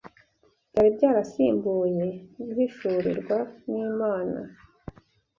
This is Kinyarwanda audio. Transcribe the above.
byari byarasimbuye guhishurirwa n’Imana